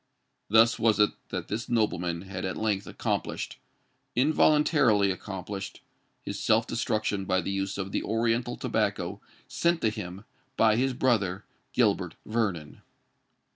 Thus was it that this nobleman had at length accomplished—involuntarily accomplished—his self destruction by the use of the oriental tobacco sent to him by his brother Gilbert Vernon!